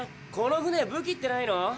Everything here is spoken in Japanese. この船武器ってないの？